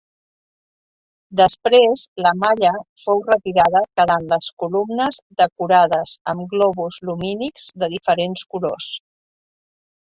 Després la malla fou retirada quedant les columnes decorades amb globus lumínics de diferents colors.